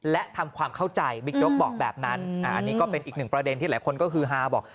และทำความเข้าใจบิ๊กโจ๊กบอกแบบนั้นอันนี้ก็เป็นอีกหนึ่งประเด็นที่หลายคนก็คือฮาบอก